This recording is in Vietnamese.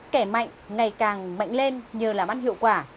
kẻ mạnh ngày càng mạnh lên nhờ làm ăn hiệu quả